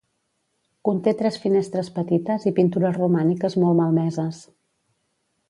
Conté tres finestres petites i pintures romàniques molt malmeses.